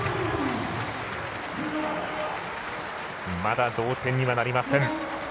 まだ同点にはなりません。